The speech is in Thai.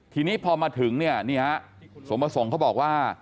ทีนี้พอมาถึงเนี่ยนี่ฮะสมประสงค์เขาบอกว่า